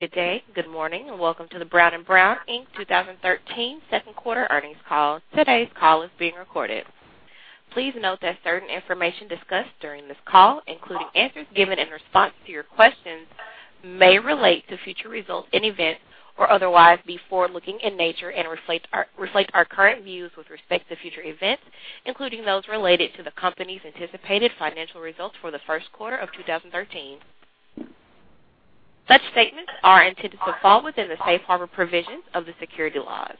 Good day. Good morning, welcome to the Brown & Brown, Inc. 2013 second quarter earnings call. Today's call is being recorded. Please note that certain information discussed during this call, including answers given in response to your questions, may relate to future results and events or otherwise be forward-looking in nature and reflect our current views with respect to future events, including those related to the company's anticipated financial results for the first quarter of 2013. Such statements are intended to fall within the safe harbor provisions of the Securities laws.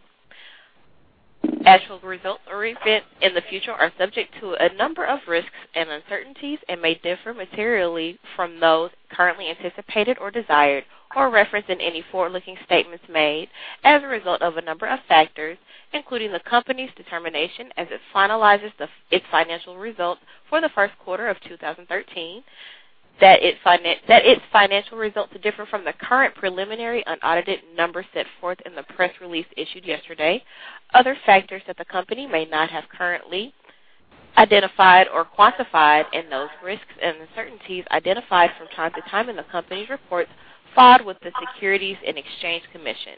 Actual results or events in the future are subject to a number of risks and uncertainties and may differ materially from those currently anticipated or desired or referenced in any forward-looking statements made as a result of a number of factors, including the company's determination as it finalizes its financial results for the first quarter of 2013, that its financial results are different from the current preliminary unaudited numbers set forth in the press release issued yesterday. Other factors that the company may not have currently identified or quantified in those risks and uncertainties identified from time to time in the company's reports filed with the Securities and Exchange Commission.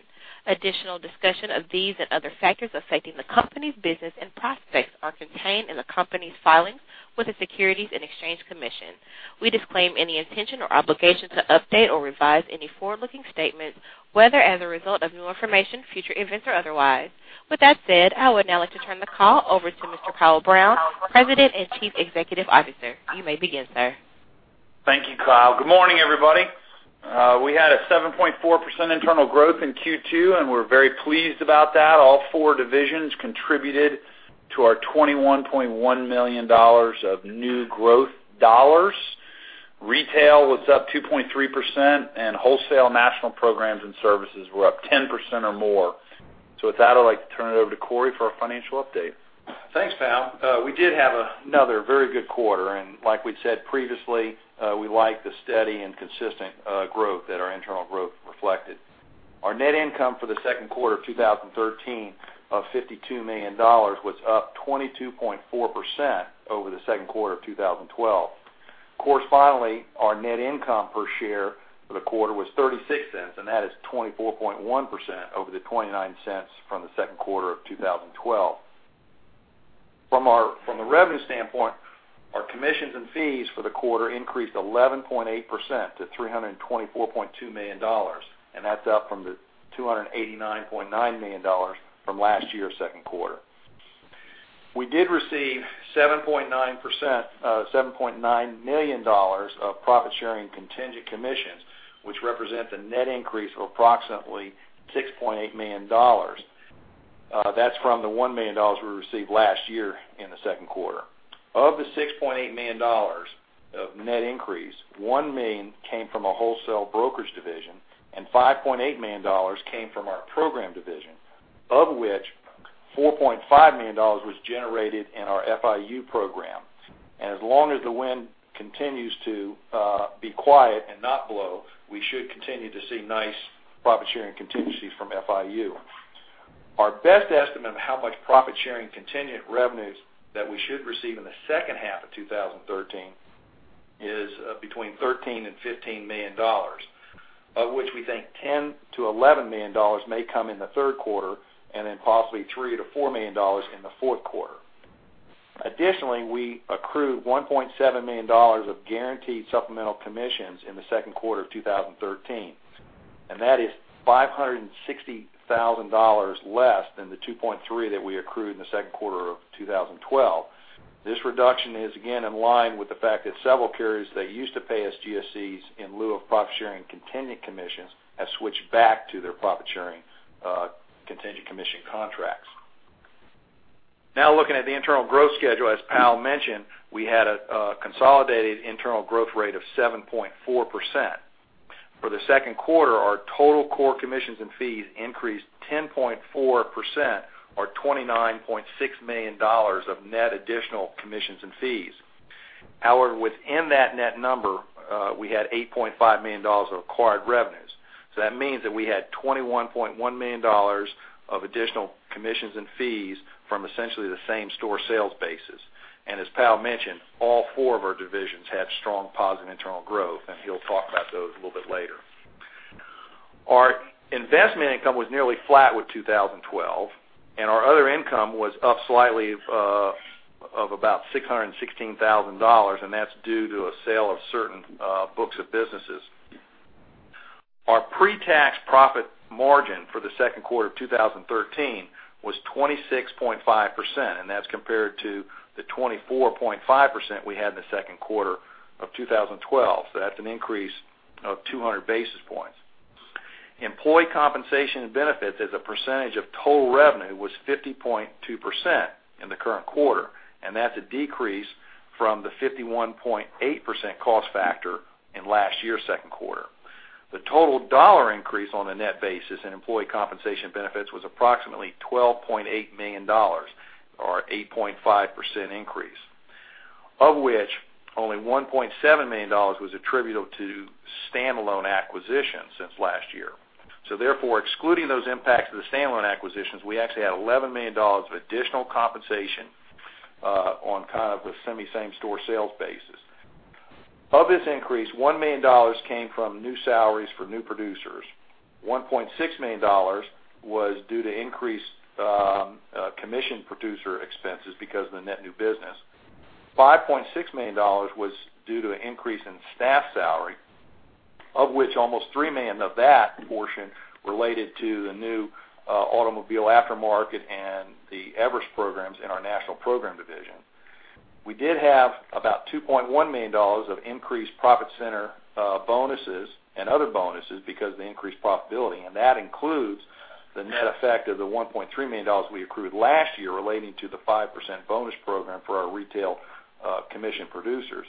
Additional discussion of these and other factors affecting the company's business and prospects are contained in the company's filings with the Securities and Exchange Commission. We disclaim any intention or obligation to update or revise any forward-looking statement, whether as a result of new information, future events, or otherwise. With that said, I would now like to turn the call over to Mr. Powell Brown, President and Chief Executive Officer. You may begin, sir. Thank you, Kyle. Good morning, everybody. We had a 7.4% internal growth in Q2. We're very pleased about that. All four divisions contributed to our $21.1 million of new growth dollars. Retail was up 2.3%. Wholesale national programs and services were up 10% or more. With that, I'd like to turn it over to Cory for a financial update. Thanks, Powell. We did have another very good quarter. Like we'd said previously, we like the steady and consistent growth that our internal growth reflected. Our net income for the second quarter of 2013 of $52 million was up 22.4% over the second quarter of 2012. Correspondingly, our net income per share for the quarter was $0.36. That is 24.1% over the $0.29 from the second quarter of 2012. From the revenue standpoint, our commissions and fees for the quarter increased 11.8% to $324.2 million. That's up from the $289.9 million from last year's second quarter. We did receive $7.9 million of profit-sharing contingent commissions, which represent the net increase of approximately $6.8 million. That's from the $1 million we received last year in the second quarter. Of the $6.8 million of net increase, $1 million came from a wholesale brokerage division and $5.8 million came from our program division, of which $4.5 million was generated in our FIU program. As long as the wind continues to be quiet and not blow, we should continue to see nice profit-sharing contingencies from FIU. Our best estimate of how much profit-sharing contingent revenues that we should receive in the second half of 2013 is between $13 million and $15 million, of which we think $10 million to $11 million may come in the third quarter. Then possibly $3 million to $4 million in the fourth quarter. Additionally, we accrued $1.7 million of guaranteed supplemental commissions in the second quarter of 2013. That is $560,000 less than the $2.3 million that we accrued in the second quarter of 2012. This reduction is again in line with the fact that several carriers that used to pay us GSCs in lieu of profit-sharing contingent commissions have switched back to their profit-sharing contingent commission contracts. Looking at the internal growth schedule, as Kyle mentioned, we had a consolidated internal growth rate of 7.4%. For the second quarter, our total core commissions and fees increased 10.4%, or $29.6 million of net additional commissions and fees. However, within that net number, we had $8.5 million of acquired revenues. That means that we had $21.1 million of additional commissions and fees from essentially the same store sales basis. As Kyle mentioned, all four of our divisions had strong positive internal growth, and he'll talk about those a little bit later. Our investment income was nearly flat with 2012. Our other income was up slightly of about $616,000. That's due to a sale of certain books of businesses. Our pre-tax profit margin for the second quarter of 2013 was 26.5%. That's compared to the 24.5% we had in the second quarter of 2012. That's an increase of 200 basis points. Employee compensation and benefits as a percentage of total revenue was 50.2% in the current quarter. That's a decrease from the 51.8% cost factor in last year's second quarter. The total dollar increase on a net basis in employee compensation benefits was approximately $12.8 million or 8.5% increase, of which only $1.7 million was attributable to standalone acquisitions since last year. Therefore, excluding those impacts of the standalone acquisitions, we actually had $11 million of additional compensation on kind of the semi-same store sales basis. Of this increase, $1 million came from new salaries for new producers. $1.6 million was due to increased commission producer expenses because of the net new business. $5.6 million was due to an increase in staff salary, of which almost $3 million of that portion related to the new Automobile Aftermarket and the Everest programs in our national program division. We did have about $2.1 million of increased profit center bonuses and other bonuses because of the increased profitability, and that includes the net effect of the $1.3 million we accrued last year relating to the 5% bonus program for our retail commission producers.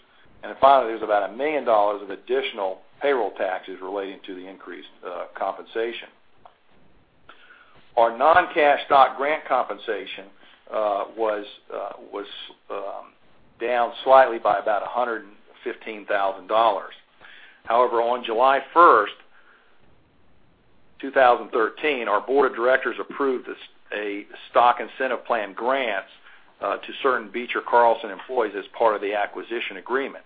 Finally, there's about $1 million of additional payroll taxes relating to the increased compensation. Our non-cash stock grant compensation was down slightly by about $115,000. However, on July 1st, 2013, our board of directors approved a stock incentive plan grants to certain Beecher Carlson employees as part of the acquisition agreement.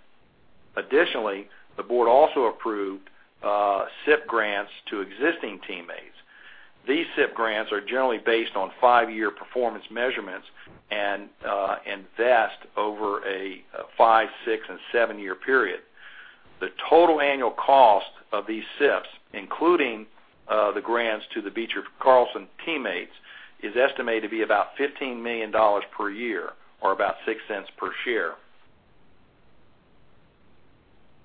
The board also approved SIP grants to existing teammates. These SIP grants are generally based on five-year performance measurements and vest over a five, six, and seven-year period. The total annual cost of these SIPs, including the grants to the Beecher Carlson teammates, is estimated to be about $15 million per year or about $0.06 per share.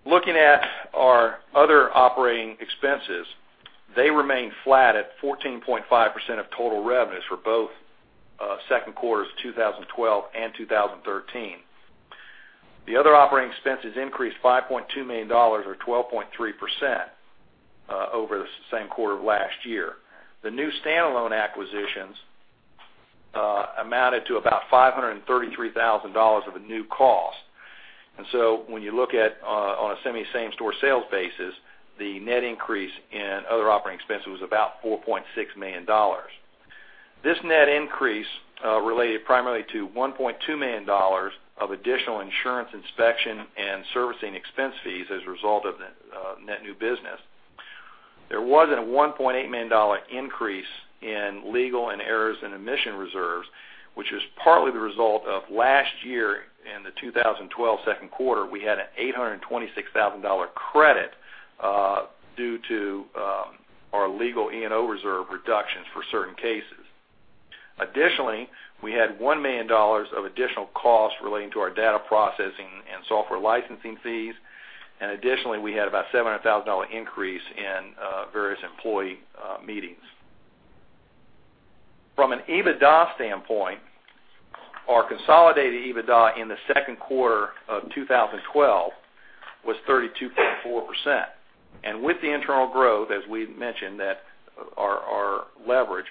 Looking at our other operating expenses, they remain flat at 14.5% of total revenues for both second quarters of 2012 and 2013. The other operating expenses increased $5.2 million, or 12.3%, over the same quarter of last year. The new standalone acquisitions amounted to about $533,000 of a new cost. When you look at on a semi-same store sales basis, the net increase in other operating expenses was about $4.6 million. This net increase related primarily to $1.2 million of additional insurance inspection and servicing expense fees as a result of net new business. There was a $1.8 million increase in legal and errors and omission reserves, which is partly the result of last year in the 2012 second quarter, we had an $826,000 credit due to our legal E&O reserve reductions for certain cases. We had $1 million of additional costs relating to our data processing and software licensing fees. We had about $700,000 increase in various employee meetings. From an EBITDA standpoint, our consolidated EBITDA in the second quarter of 2012 was 32.4%. With the internal growth, as we mentioned that our leverage,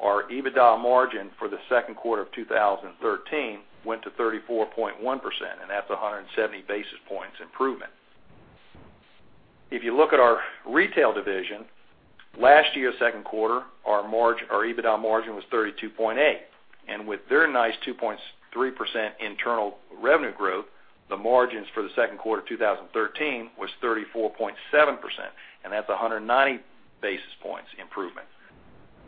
our EBITDA margin for the second quarter of 2013 went to 34.1%, and that's 170 basis points improvement. If you look at our retail division, last year second quarter, our EBITDA margin was 32.8%. With their nice 2.3% internal revenue growth, the margins for the second quarter 2013 was 34.7%, and that's 190 basis points improvement.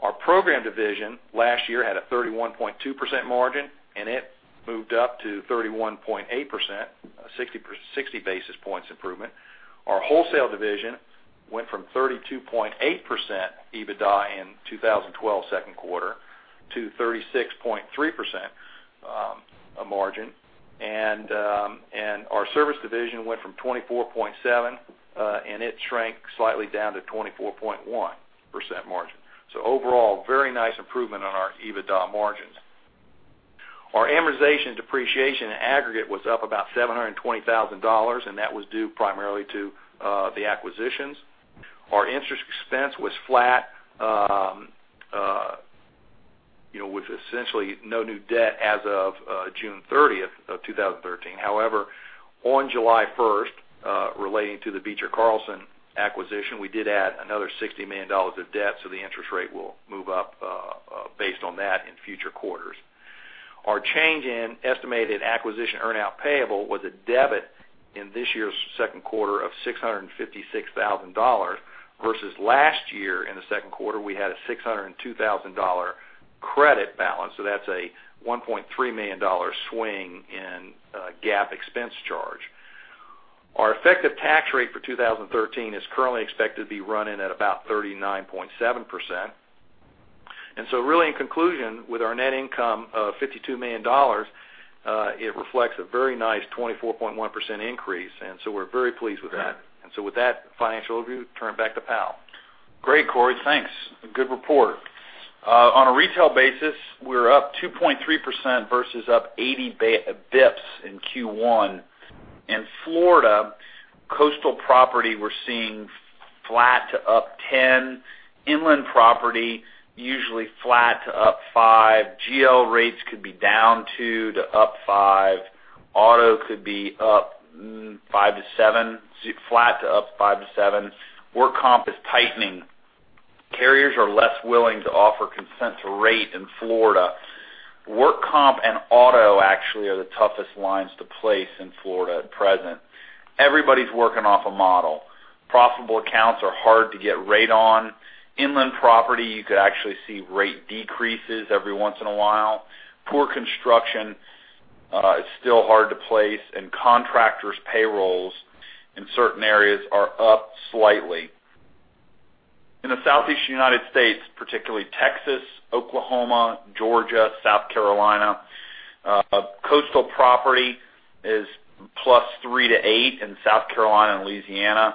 Our program division last year had a 31.2% margin, and it moved up to 31.8%, 60 basis points improvement. Our wholesale division went from 32.8% EBITDA in 2012 second quarter to 36.3% margin. Our service division went from 24.7%, and it shrank slightly down to 24.1% margin. Overall, very nice improvement on our EBITDA margins. Our amortization depreciation aggregate was up about $720,000, and that was due primarily to the acquisitions. Our interest expense was flat, with essentially no new debt as of June 30th of 2013. However, on July 1st, relating to the Beecher Carlson acquisition, we did add another $60 million of debt, so the interest rate will move up based on that in future quarters. Our change in estimated acquisition earnout payable was a debit in this year's second quarter of $656,000 versus last year in the second quarter, we had a $602,000 credit balance, so that's a $1.3 million swing in GAAP expense charge. Our effective tax rate for 2013 is currently expected to be running at about 39.7%. Really in conclusion, with our net income of $52 million, it reflects a very nice 24.1% increase. We're very pleased with that. With that financial review, turn it back to Powell. Great, Cory. Thanks. A good report. On a retail basis, we're up 2.3% versus up 80 basis points in Q1. In Florida, coastal property, we're seeing flat to up 10%. Inland property, usually flat to up 5%. GL rates could be down 2% to up 5%. Auto could be up 5% to 7%, flat to up 5% to 7%. Work comp is tightening. Carriers are less willing to offer consent to rate in Florida. Work comp and auto actually are the toughest lines to place in Florida at present. Everybody's working off a model. Profitable accounts are hard to get rate on. Inland property, you could actually see rate decreases every once in a while. Poor construction, it's still hard to place, and contractors' payrolls in certain areas are up slightly. In the Southeast U.S., particularly Texas, Oklahoma, Georgia, South Carolina, coastal property is +3% to 8% in South Carolina and Louisiana.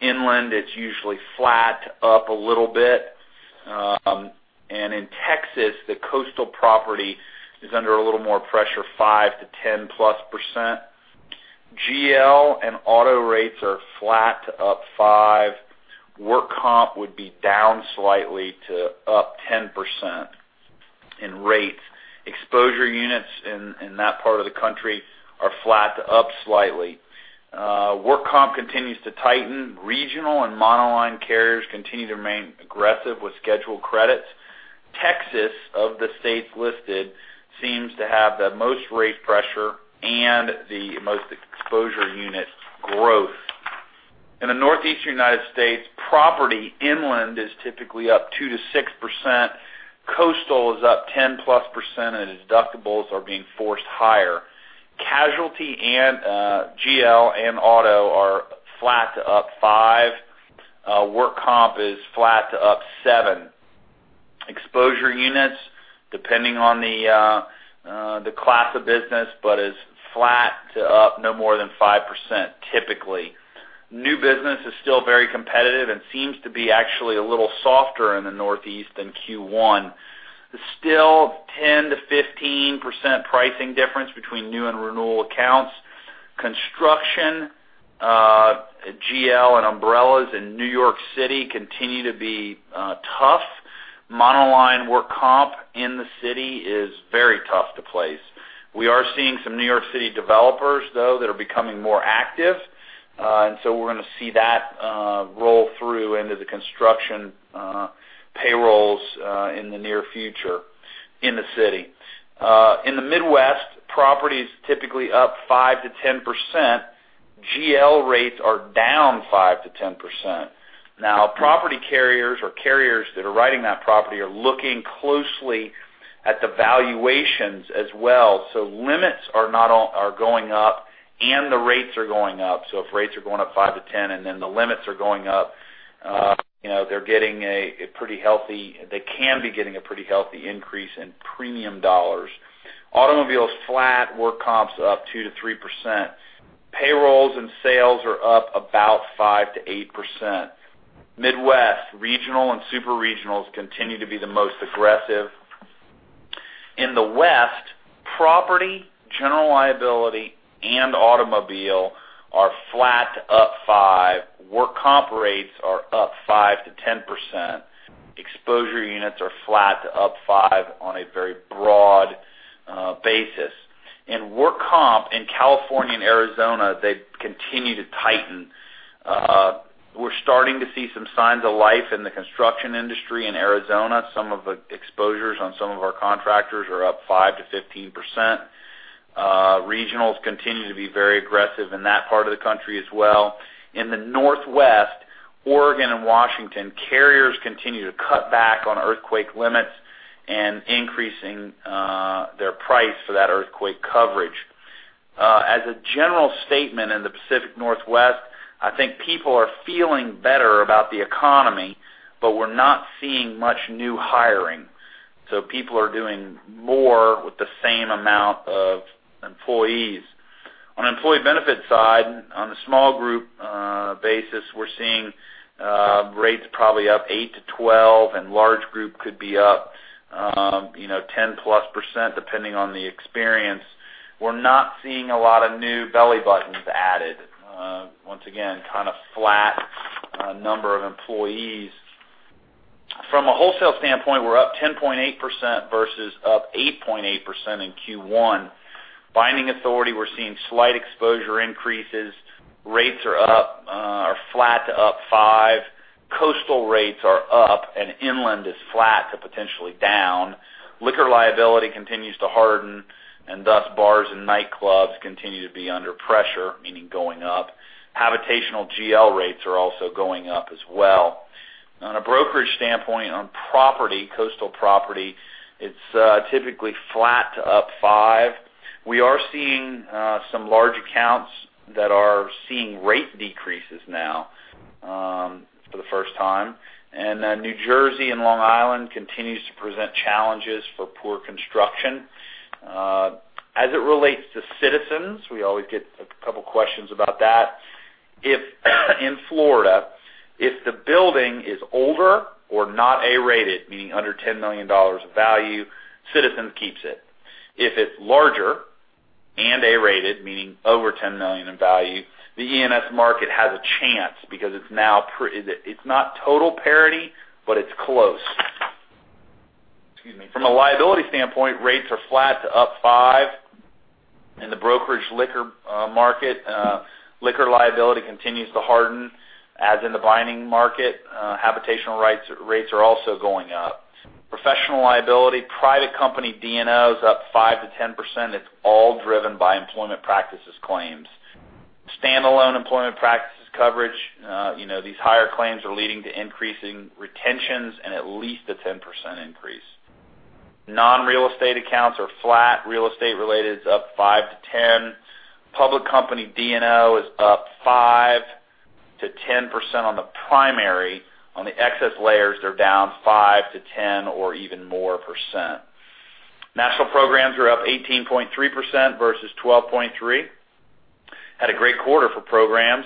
Inland, it's usually flat to up a little bit. In Texas, the coastal property is under a little more pressure, 5% to 10-plus percent. GL and auto rates are flat to up 5%. Work comp would be down slightly to up 10% in rates. Exposure units in that part of the country are flat to up slightly. Work comp continues to tighten. Regional and monoline carriers continue to remain aggressive with scheduled credits. Texas, of the states listed, seems to have the most rate pressure and the most exposure unit growth. In the Northeastern U.S., property inland is typically up 2% to 6%. Coastal is up 10-plus percent, and deductibles are being forced higher. Casualty and GL and auto are flat to up 5%. Work comp is flat to up 7%. Exposure units, depending on the class of business, but is flat to up no more than 5%, typically. New business is still very competitive and seems to be actually a little softer in the Northeast than Q1. There's still 10% to 15% pricing difference between new and renewal accounts. Construction, GL, and umbrellas in New York City continue to be tough. Monoline work comp in the city is very tough to place. We are seeing some New York City developers, though, that are becoming more active. We're going to see that roll through into the construction payrolls in the near future in the city. In the Midwest, property is typically up 5% to 10%. GL rates are down 5% to 10%. Now, property carriers or carriers that are writing that property are looking closely at the valuations as well. Limits are going up and the rates are going up. If rates are going up 5%-10%, and then the limits are going up, they can be getting a pretty healthy increase in premium dollars. Automobile is flat. Work comp's up 2%-3%. Payrolls and sales are up about 5%-8%. Midwest regional and super regionals continue to be the most aggressive. In the West, property, general liability, and automobile are flat to up 5%. Work comp rates are up 5%-10%. Exposure units are flat to up 5% on a very broad basis. Work comp in California and Arizona, they continue to tighten. We're starting to see some signs of life in the construction industry in Arizona. Some of the exposures on some of our contractors are up 5%-15%. Regionals continue to be very aggressive in that part of the country as well. In the Northwest, Oregon and Washington, carriers continue to cut back on earthquake limits and increasing their price for that earthquake coverage. As a general statement in the Pacific Northwest, I think people are feeling better about the economy, but we're not seeing much new hiring. People are doing more with the same amount of employees. On employee benefit side, on the small group basis, we're seeing rates probably up 8%-12%, and large group could be up 10%+, depending on the experience. We're not seeing a lot of new belly buttons added. Once again, kind of flat number of employees. From a wholesale standpoint, we're up 10.8% versus up 8.8% in Q1. Binding authority, we're seeing slight exposure increases. Rates are up or flat to up 5%. Coastal rates are up, inland is flat to potentially down. Liquor liability continues to harden, thus, bars and nightclubs continue to be under pressure, meaning going up. Habitational GL rates are also going up as well. On a brokerage standpoint on property, coastal property, it's typically flat to up 5%. We are seeing some large accounts that are seeing rate decreases now for the first time. New Jersey and Long Island continues to present challenges for poor construction. As it relates to Citizens, we always get a couple questions about that. In Florida, if the building is older or not A-rated, meaning under $10 million of value, Citizens keeps it. If it's larger and A-rated, meaning over $10 million in value, the E&S market has a chance because it's not total parity, but it's close. From a liability standpoint, rates are flat to up 5%. In the brokerage liquor market, liquor liability continues to harden, as in the binding market. Habitational rates are also going up. Professional liability, private company D&O is up 5%-10%. It's all driven by employment practices claims. Standalone employment practices coverage, these higher claims are leading to increasing retentions and at least a 10% increase. Non-real estate accounts are flat. Real estate related is up 5%-10%. Public company D&O is up 5%-10% on the primary. On the excess layers, they're down 5%-10% or even more percent. National programs are up 18.3% versus 12.3%. Had a great quarter for programs.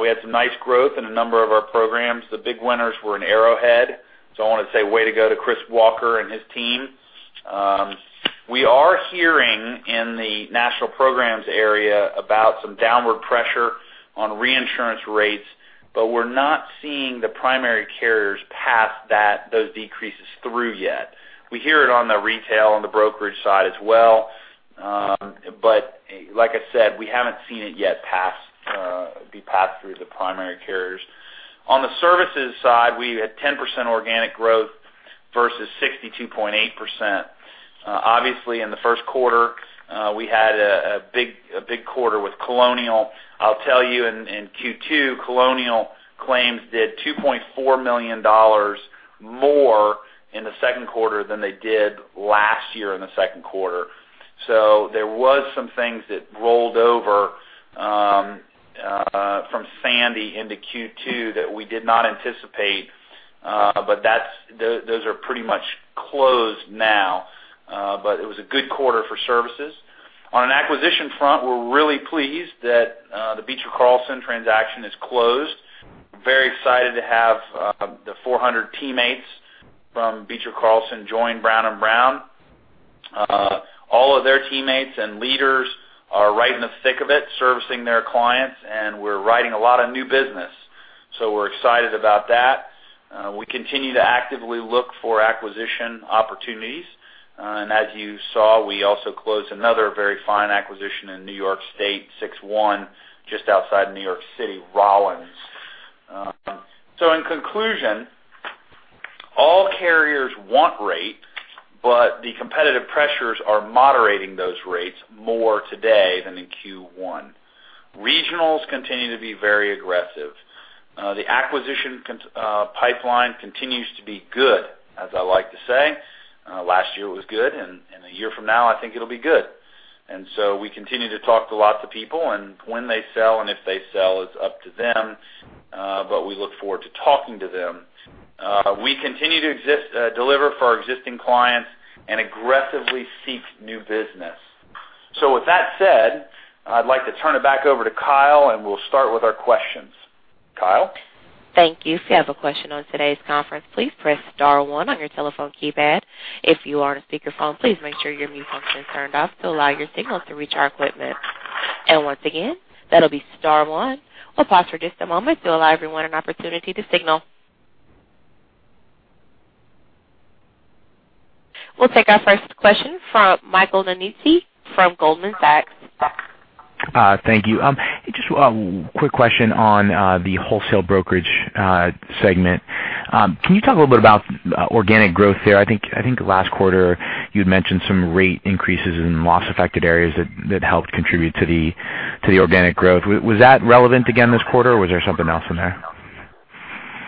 We had some nice growth in a number of our programs. The big winners were in Arrowhead. I want to say way to go to Chris Walker and his team. We are hearing in the national programs area about some downward pressure on reinsurance rates, we're not seeing the primary carriers pass those decreases through yet. We hear it on the retail and the brokerage side as well. Like I said, we haven't seen it yet be passed through the primary carriers. On the services side, we had 10% organic growth versus 62.8%. Obviously, in the first quarter, we had a big quarter with Colonial. I'll tell you, in Q2, Colonial Claims did $2.4 million more in the second quarter than they did last year in the second quarter. There was some things that rolled over from Hurricane Sandy into Q2 that we did not anticipate. Those are pretty much closed now. It was a good quarter for services. On an acquisition front, we're really pleased that the Beecher Carlson transaction is closed. Very excited to have the 400 teammates from Beecher Carlson join Brown & Brown. We're writing a lot of new business. We're excited about that. We continue to actively look for acquisition opportunities. As you saw, we also closed another very fine acquisition in N.Y. State, 61, just outside N.Y. City, The Rollins Agency. In conclusion, all carriers want rate, the competitive pressures are moderating those rates more today than in Q1. Regionals continue to be very aggressive. The acquisition pipeline continues to be good, as I like to say. Last year it was good, and a year from now, I think it'll be good. We continue to talk to lots of people, when they sell and if they sell is up to them, we look forward to talking to them. We continue to deliver for our existing clients and aggressively seek new business. With that said, I'd like to turn it back over to Kyle, and we'll start with our questions. Kyle? Thank you. If you have a question on today's conference, please press star one on your telephone keypad. If you are on a speakerphone, please make sure your mute function is turned off to allow your signal to reach our equipment. Once again, that'll be star one. We'll pause for just a moment to allow everyone an opportunity to signal. We'll take our first question from Michael Nannizzi from Goldman Sachs. Thank you. Just a quick question on the wholesale brokerage segment. Can you talk a little bit about organic growth there? I think last quarter you'd mentioned some rate increases in loss-affected areas that helped contribute to the organic growth. Was that relevant again this quarter, or was there something else in there?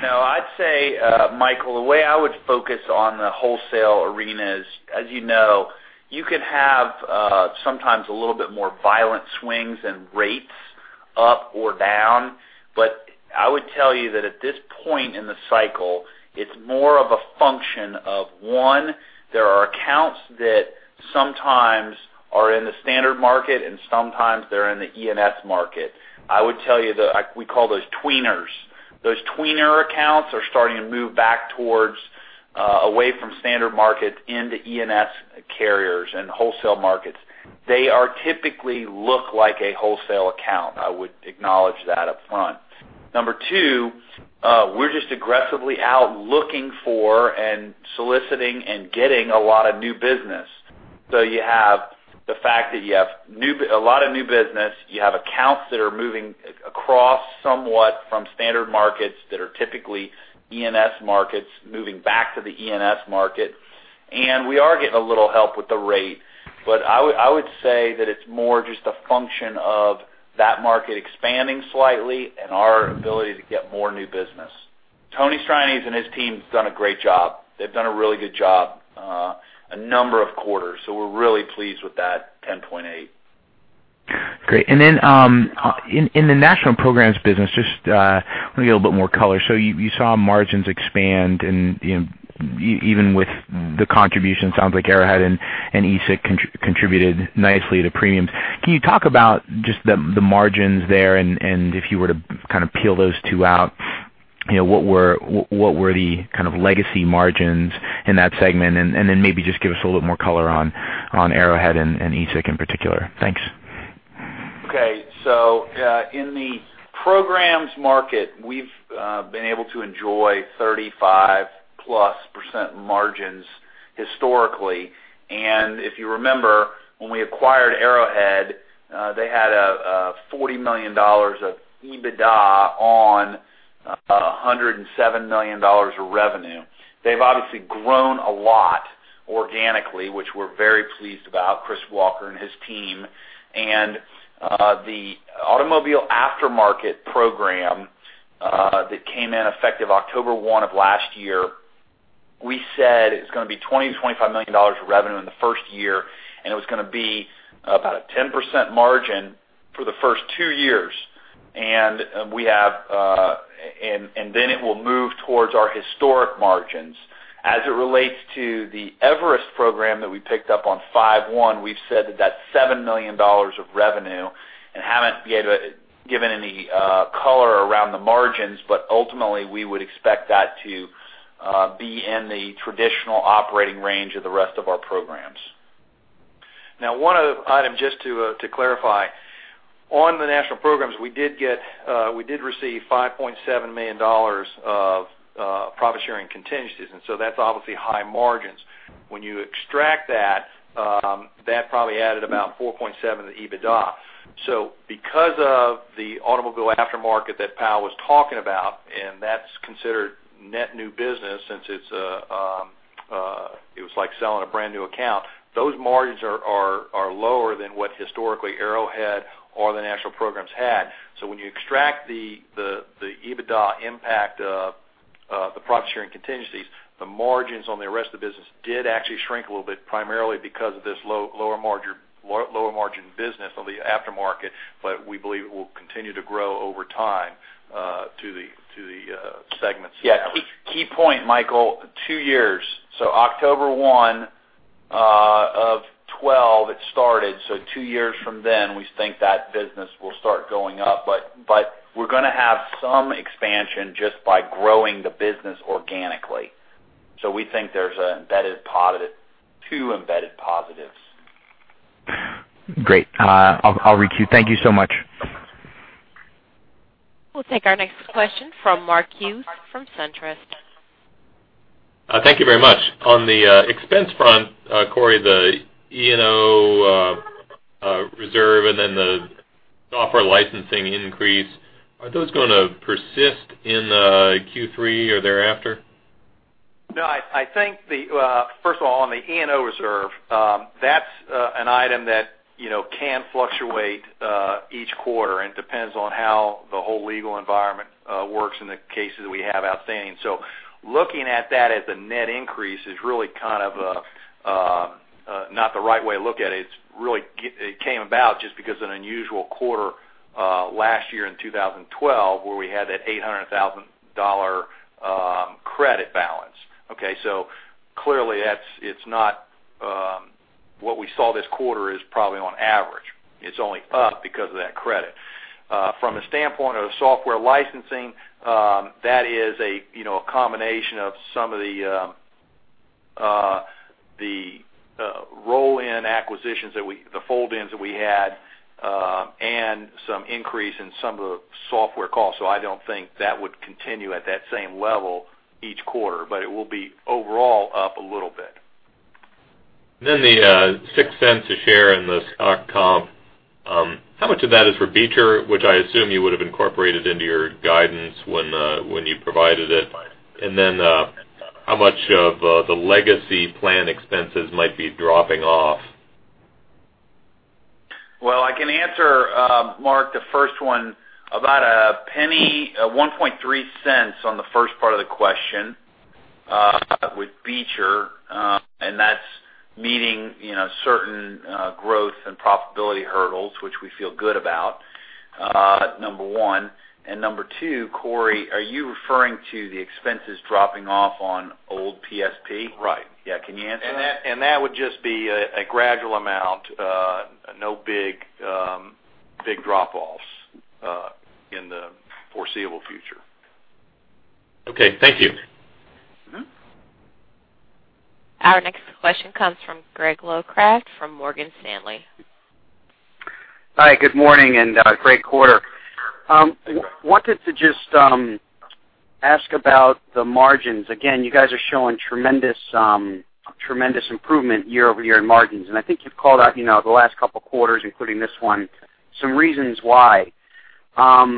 I'd say, Michael, the way I would focus on the wholesale arena is, as you know, you could have sometimes a little bit more violent swings in rates up or down. I would tell you that at this point in the cycle, it's more of a function of, one, there are accounts that sometimes are in the standard market and sometimes they're in the E&S market. I would tell you that we call those tweeners. Those tweener accounts are starting to move back towards away from standard market into E&S carriers and wholesale markets. They typically look like a wholesale account. I would acknowledge that up front. Number 2, we're just aggressively out looking for and soliciting and getting a lot of new business. You have the fact that you have a lot of new business. You have accounts that are moving across somewhat from standard markets that are typically E&S markets moving back to the E&S market. We are getting a little help with the rate. I would say that it's more just a function of that market expanding slightly and our ability to get more new business. Tony Strianese and his team's done a great job. They've done a really good job a number of quarters. We're really pleased with that 10.8. Great. Then in the national programs business, just want to get a little bit more color. You saw margins expand, even with the contribution, sounds like Arrowhead and ESIC contributed nicely to premiums. Can you talk about just the margins there? If you were to kind of peel those two out, what were the kind of legacy margins in that segment? Then maybe just give us a little bit more color on Arrowhead and ESIC in particular. Thanks. In the programs market, we've been able to enjoy 35+% margins historically. If you remember, when we acquired Arrowhead, they had $40 million of EBITDA on $107 million of revenue. They've obviously grown a lot organically, which we're very pleased about, Chris Walker and his team. The Automobile Aftermarket program that came in effective October 1 of last year, we said it was going to be $20 million-$25 million of revenue in the first year, and it was going to be about a 10% margin for the first two years. Then it will move towards our historic margins. As it relates to the Everest program that we picked up on 5/1, we've said that that's $7 million of revenue and haven't yet given any color around the margins. Ultimately, we would expect that to be in the traditional operating range of the rest of our programs. One other item just to clarify. On the national programs, we did receive $5.7 million of profit-sharing contingencies, that's obviously high margins. When you extract that probably added about $4.7 million to EBITDA. Because of the Automobile Aftermarket that Powell was talking about, and that's considered net new business since it was like selling a brand-new account, those margins are lower than what historically Arrowhead or the national programs had. When you extract the EBITDA impact of the profit-sharing contingencies, the margins on the rest of the business did actually shrink a little bit, primarily because of this lower margin business on the aftermarket, we believe it will continue to grow over time to the segment's average. Yeah. Key point, Michael, two years. October 1 of 2012, it started. Two years from then, we think that business will start going up. We're going to have some expansion just by growing the business organically. We think there's two embedded positives. Great. I'll re-queue. Thank you so much. We'll take our next question from Mark Hughes from SunTrust. Thank you very much. On the expense front, Cory, the E&O reserve and then the software licensing increase, are those going to persist in Q3 or thereafter? No. First of all, on the E&O reserve, that's an item that can fluctuate each quarter and depends on how the whole legal environment works in the cases we have outstanding. Looking at that as a net increase is really not the right way to look at it. It came about just because of an unusual quarter last year in 2012, where we had that $800,000 credit balance. Okay. Clearly, what we saw this quarter is probably on average. It's only up because of that credit. From a standpoint of software licensing, that is a combination of some of the roll-in acquisitions, the fold-ins that we had, and some increase in some of the software costs. I don't think that would continue at that same level each quarter, but it will be overall up a little bit. The $0.06 a share in the stock comp, how much of that is for Beecher, which I assume you would have incorporated into your guidance when you provided it, how much of the legacy plan expenses might be dropping off? Well, I can answer, Mark, the first one. About $0.01, $0.013 on the first part of the question with Beecher, that's meeting certain growth and profitability hurdles, which we feel good about, number one. Number two, Cory, are you referring to the expenses dropping off on old PSP? Right. Yeah. Can you answer that? That would just be a gradual amount. No big drop-offs in the foreseeable future. Okay. Thank you. Our next question comes from Greg Locraft from Morgan Stanley. Hi. Good morning. Great quarter. I wanted to just ask about the margins. Again, you guys are showing tremendous improvement year-over-year in margins. I think you've called out the last couple of quarters, including this one, some reasons why. I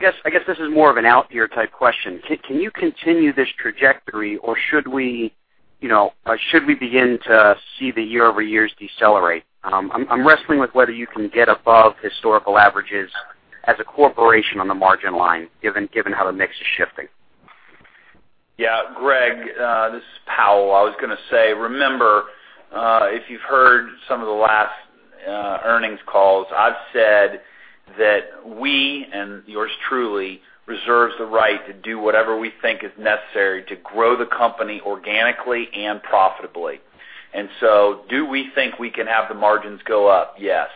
guess this is more of an out-year type question. Can you continue this trajectory, or should we begin to see the year-over-years decelerate? I'm wrestling with whether you can get above historical averages as a corporation on the margin line, given how the mix is shifting. Greg, this is Powell. I was going to say, remember if you've heard some of the last earnings calls, I've said that we, and yours truly, reserves the right to do whatever we think is necessary to grow the company organically and profitably. Do we think we can have the margins go up? Yes.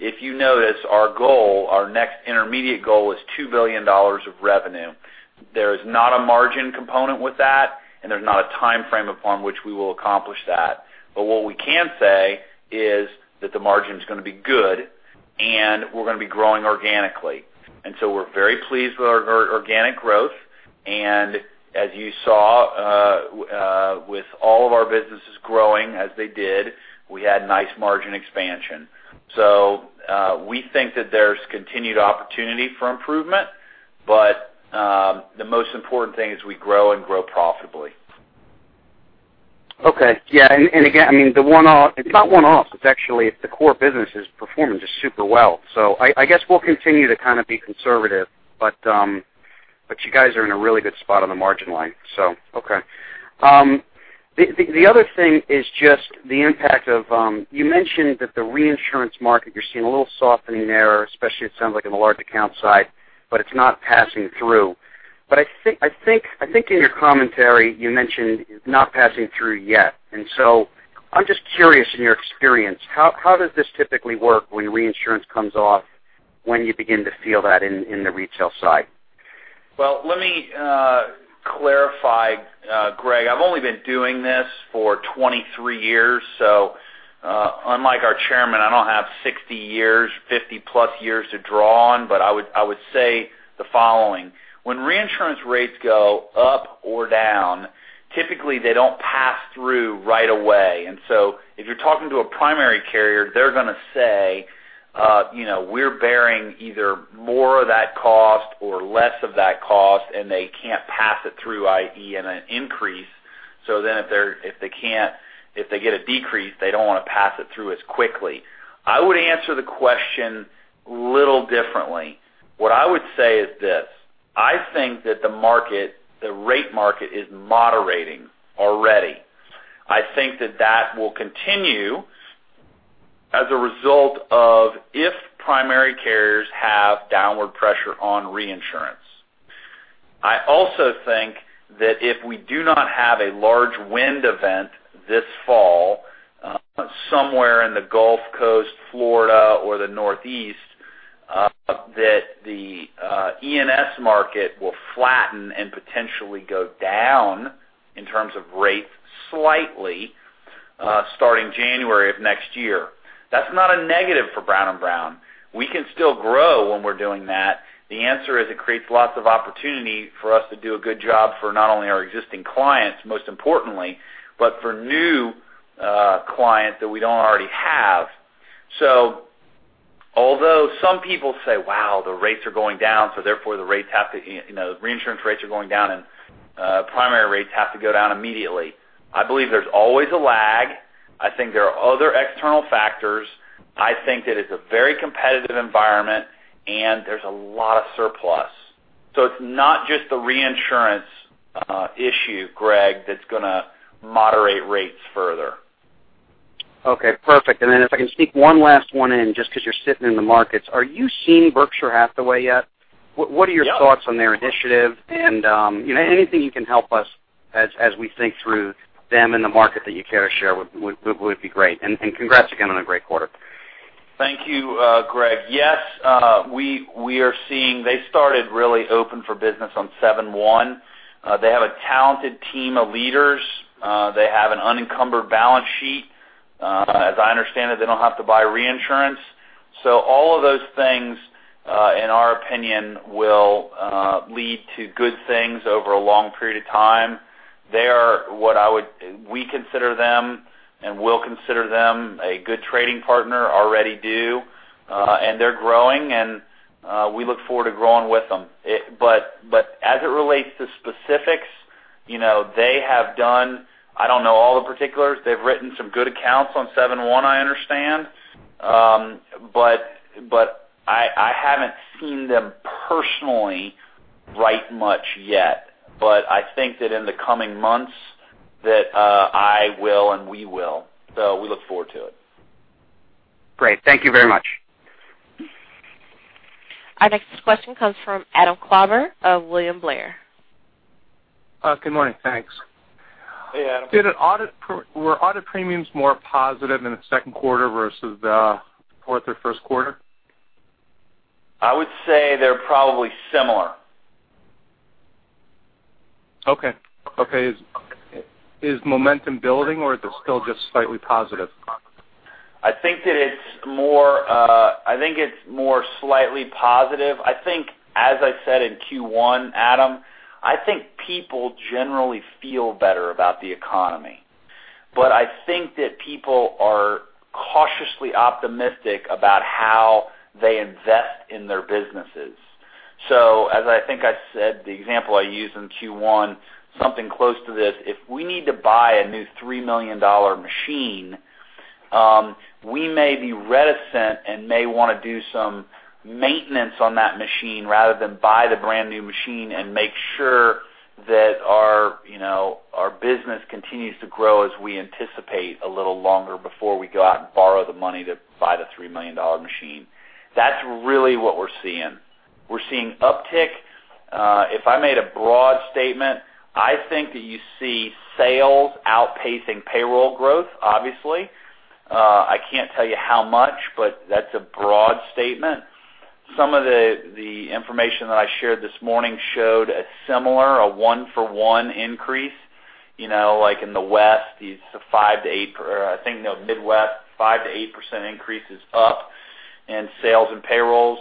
If you notice, our next intermediate goal is $2 billion of revenue. There's not a margin component with that. There's not a timeframe upon which we will accomplish that. What we can say is that the margin's going to be good, and we're going to be growing organically. We're very pleased with our organic growth. As you saw with all of our businesses growing as they did, we had nice margin expansion. We think that there's continued opportunity for improvement. The most important thing is we grow and grow profitably. Okay. Yeah. Again, it's not one-off, it's actually the core business is performing just super well. I guess we'll continue to kind of be conservative, but you guys are in a really good spot on the margin line, so, okay. The other thing is just the impact of, you mentioned that the reinsurance market, you're seeing a little softening there, especially it sounds like on the large account side, but it's not passing through. I think in your commentary, you mentioned not passing through yet. I'm just curious, in your experience, how does this typically work when reinsurance comes off, when you begin to feel that in the retail side? Well, let me clarify, Greg. I've only been doing this for 23 years, so unlike our chairman, I don't have 60 years, 50 plus years to draw on. I would say the following, when reinsurance rates go up or down, typically they don't pass through right away. If you're talking to a primary carrier, they're going to say, "We're bearing either more of that cost or less of that cost," and they can't pass it through, i.e, in an increase. If they get a decrease, they don't want to pass it through as quickly. I would answer the question a little differently. What I would say is this, I think that the rate market is moderating already. I think that that will continue as a result of if primary carriers have downward pressure on reinsurance. I also think that if we do not have a large wind event this fall, somewhere in the Gulf Coast, Florida, or the Northeast, that the E&S market will flatten and potentially go down in terms of rates slightly, starting January of next year. That's not a negative for Brown & Brown. We can still grow when we're doing that. The answer is it creates lots of opportunity for us to do a good job for not only our existing clients, most importantly, but for new clients that we don't already have. Although some people say, "Wow, the rates are going down, so therefore the reinsurance rates are going down and primary rates have to go down immediately." I believe there's always a lag. I think there are other external factors. I think that it's a very competitive environment, and there's a lot of surplus. It's not just the reinsurance issue, Greg, that's going to moderate rates further. Okay, perfect. If I can sneak one last one in, just because you're sitting in the markets, are you seeing Berkshire Hathaway yet? What are your thoughts on their initiative? Anything you can help us as we think through them in the market that you care to share would be great. Congrats again on a great quarter. Thank you, Greg. Yes, we are seeing, they started really open for business on 7/1. They have a talented team of leaders. They have an unencumbered balance sheet. As I understand it, they don't have to buy reinsurance. All of those things, in our opinion, will lead to good things over a long period of time. We consider them and will consider them a good trading partner, already do. They're growing, and we look forward to growing with them. As it relates to specifics, they have done, I don't know all the particulars. They've written some good accounts on 7/1, I understand. I haven't seen them personally write much yet. I think that in the coming months that I will, and we will. We look forward to it. Great. Thank you very much. Our next question comes from Adam Klauber of William Blair. Good morning. Thanks. Hey, Adam. Were audit premiums more positive in the second quarter versus the fourth or first quarter? I would say they're probably similar. Okay. Is momentum building, or is it still just slightly positive? I think it's more slightly positive. As I said in Q1, Adam, I think people generally feel better about the economy. I think that people are cautiously optimistic about how they invest in their businesses. As I think I said, the example I used in Q1, something close to this, if we need to buy a new $3 million machine, we may be reticent and may want to do some maintenance on that machine rather than buy the brand-new machine and make sure that our business continues to grow as we anticipate a little longer before we go out and borrow the money to buy the $3 million machine. That's really what we're seeing. We're seeing uptick. If I made a broad statement, I think that you see sales outpacing payroll growth, obviously. I can't tell you how much, but that's a broad statement. Some of the information that I shared this morning showed a similar, a one for one increase, like in the West, or I think, no, Midwest, 5%-8% increase is up in sales and payrolls.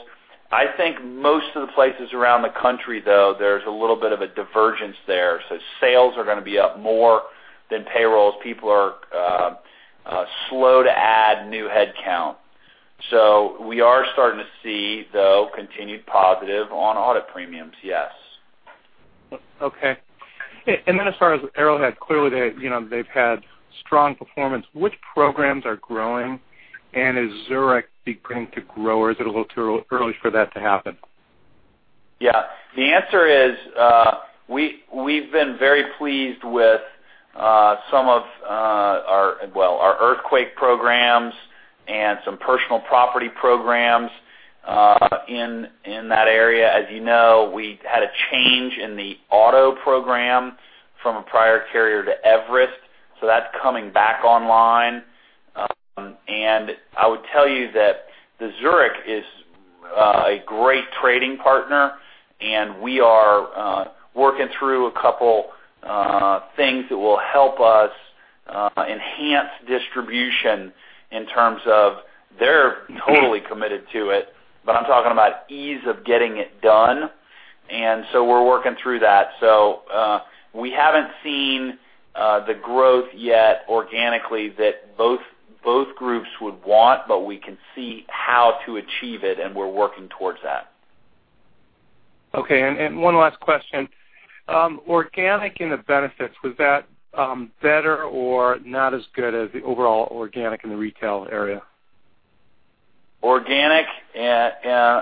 I think most of the places around the country, though, there's a little bit of a divergence there. Sales are going to be up more than payrolls. People are slow to add new headcount. We are starting to see, though, continued positive on audit premiums, yes. Okay. As far as Arrowhead, clearly they've had strong performance. Which programs are growing? Is Zurich beginning to grow, or is it a little too early for that to happen? Yeah. The answer is, we've been very pleased with some of our Earthquake programs and some personal property programs in that area. As you know, we had a change in the auto program from a prior carrier to Everest, so that's coming back online. I would tell you that the Zurich is a great trading partner, and we are working through a couple things that will help us enhance distribution in terms of they're totally committed to it, but I'm talking about ease of getting it done. We're working through that. We haven't seen the growth yet organically that both groups would want, but we can see how to achieve it, and we're working towards that. Okay, one last question. Organic in the benefits, was that better or not as good as the overall organic in the retail area? Organic. Yeah.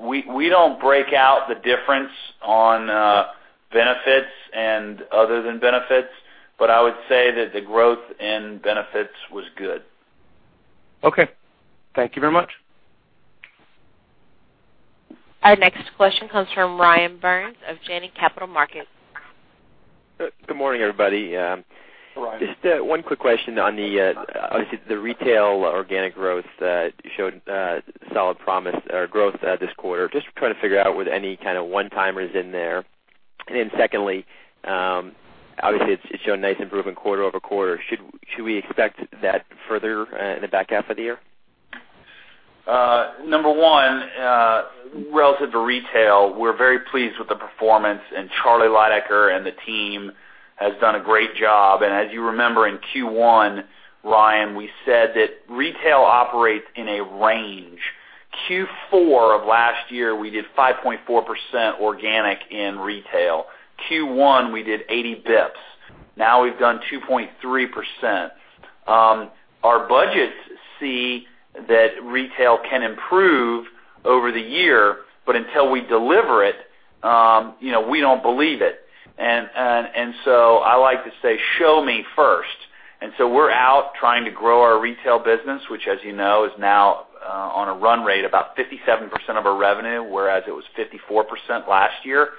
We don't break out the difference on benefits and other than benefits, I would say that the growth in benefits was good. Okay. Thank you very much. Our next question comes from Ryan Burns of Janney Capital Markets. Good morning, everybody. Ryan. Just one quick question on obviously, the retail organic growth showed solid promise or growth this quarter. Just trying to figure out with any kind of one-timers in there. Secondly, obviously, it's shown nice improvement quarter-over-quarter. Should we expect that further in the back half of the year? Number one, relative to retail, we're very pleased with the performance, Charles Lydecker and the team has done a great job. As you remember in Q1, Ryan, we said that retail operates in a range. Q4 of last year, we did 5.4% organic in retail. Q1, we did 80 basis points. Now we've done 2.3%. Our budgets see that retail can improve over the year, until we deliver it, we don't believe it. I like to say show me first. We're out trying to grow our retail business, which as you know, is now on a run rate about 57% of our revenue, whereas it was 54% last year.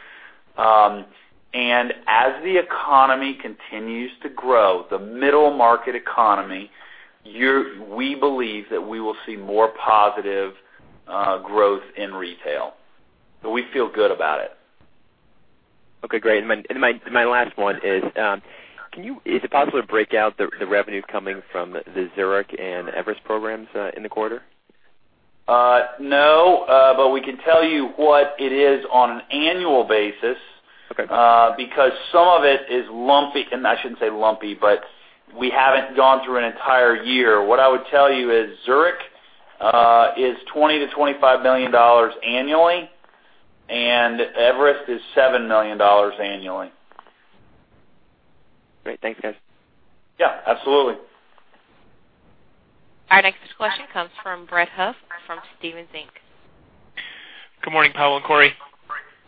As the economy continues to grow, the middle market economy, we believe that we will see more positive growth in retail. We feel good about it. Okay, great. My last one is it possible to break out the revenue coming from the Zurich and Everest programs in the quarter? No, we can tell you what it is on an annual basis. Okay. Some of it is lumpy, I shouldn't say lumpy, we haven't gone through an entire year. What I would tell you is Zurich is $20 million-$25 million annually, Everest is $7 million annually. Great. Thanks, guys. Yeah, absolutely. Our next question comes from Brett Huff from Stephens Inc. Good morning, Powell and Cory.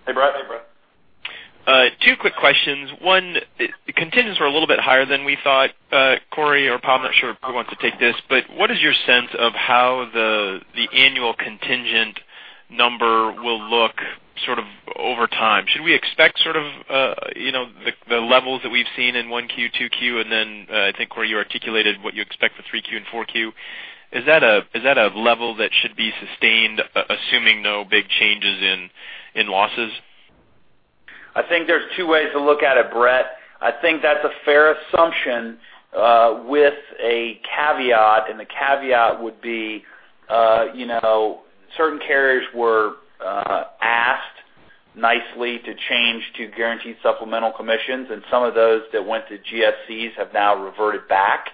Hey, Brett. Two quick questions. One, contingents were a little bit higher than we thought. Cory or Powell, I'm not sure who wants to take this, what is your sense of how the annual contingent number will look sort of over time? Should we expect sort of the levels that we've seen in 1Q, 2Q, and then I think, Cory, you articulated what you expect for 3Q and 4Q. Is that a level that should be sustained, assuming no big changes in losses? I think there's two ways to look at it, Brett. I think that's a fair assumption with a caveat, the caveat would be, certain carriers were asked nicely to change to guaranteed supplemental commissions, and some of those that went to GSCs have now reverted back.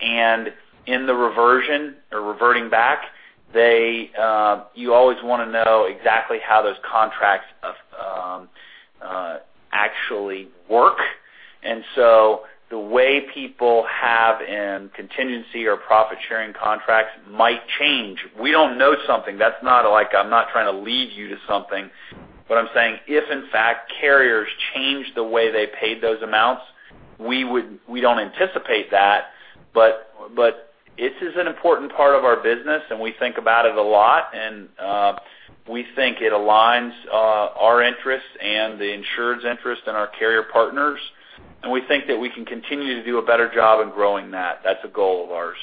In the reversion or reverting back, you always want to know exactly how those contracts actually work. So the way people have in contingency or profit-sharing contracts might change. We don't know something. That's not like I'm not trying to lead you to something, I'm saying if in fact carriers change the way they paid those amounts, we don't anticipate that. This is an important part of our business, and we think about it a lot. We think it aligns our interests and the insured's interest in our carrier partners, we think that we can continue to do a better job in growing that. That's a goal of ours.